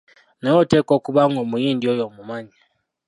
Naye oteekwa okuba ng'Omuyindi oyo omumanyi.